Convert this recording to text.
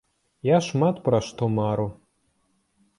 Я шмат пра што мару.